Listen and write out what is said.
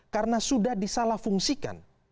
karena sudah disalah fungsikan